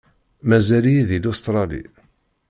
Mazal-iyi di Lustṛali.